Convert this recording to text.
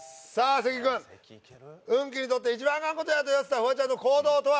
関君「運気にとって一番アカンことや！」と言わせたフワちゃんの行動とは？